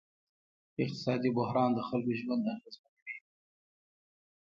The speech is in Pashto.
اقتصادي بحران د خلکو ژوند اغېزمنوي.